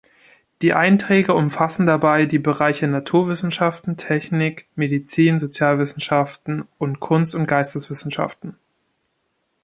Die Einträge umfassen dabei die Bereiche Naturwissenschaften, Technik, Medizin, Sozialwissenschaften und Kunst- und Geisteswissenschaften.